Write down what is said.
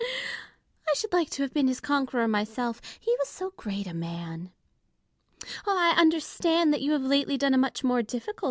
I should like to have been his conqueror myself, he was so great a man. I understand that you have lately done a much more difficult thing.